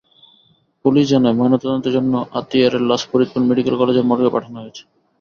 Police জানায়, ময়নাতদন্তের জন্য আতিয়ারের লাশ ফরিদপুর মেডিকেল কলেজের মর্গে পাঠানো হয়েছে।